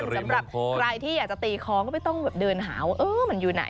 สำหรับใครที่อยากจะตีคอก็ไม่ต้องแบบเดินหาว่ามันอยู่ไหน